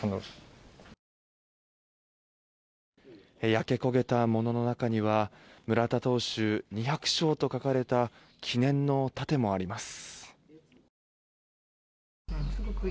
焼け焦げたものの中には「村田投手２００勝」と書かれた記念の盾もあります。